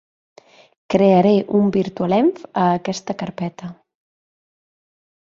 Crearé un virtualenv a aquesta carpeta.